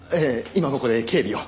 今ここで警備を。